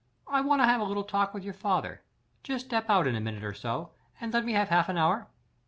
"I want to have a little talk with your father. Just step out in a minute or so, and let me have half an hour."